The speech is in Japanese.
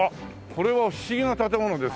これは不思議な建物ですね。